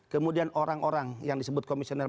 kemudian orang orang yang disebut komisioner